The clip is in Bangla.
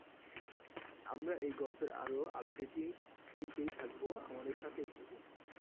আমরা এই গল্পের আরও আপডেট দিতেই থাকবো আমাদের সাথেই থাকুন।